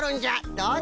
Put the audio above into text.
どうぞ。